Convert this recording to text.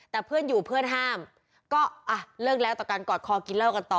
แต่เพื่อนอยู่เพื่อนห้ามก็อ่ะเลิกแล้วต่อการกอดคอกินเหล้ากันต่อ